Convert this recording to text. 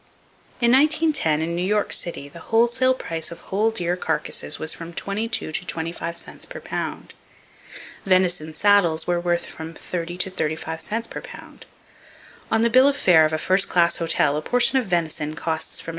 In 1910, in New York City the wholesale price of whole deer carcasses was from 22 to 25 cents per pound. Venison saddles were worth from 30 to 35 cents per pound. On the bill of fare of a first class hotel, a portion of venison costs from $1.